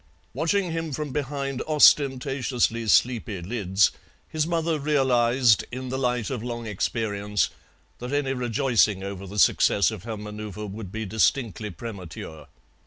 Watching him from behind ostentatiously sleepy lids, his mother realized, in the light of long experience, that any rejoicing over the success of her manoeuvre would be distinctly premature.